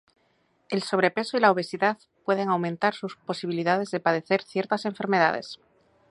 El sobrepeso y la obesidad pueden aumentar sus posibilidades de padecer ciertas enfermedades